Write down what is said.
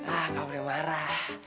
ah kau boleh marah